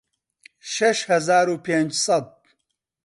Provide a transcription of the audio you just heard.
شەش هەزار و پێنج سەد